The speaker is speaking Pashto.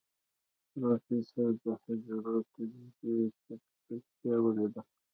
پروفيسر د حجرو د تجزيې چټکتيا وليدله.